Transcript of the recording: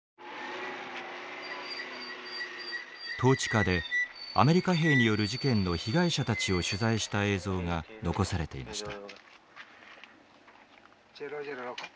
統治下でアメリカ兵による事件の被害者たちを取材した映像が残されていました。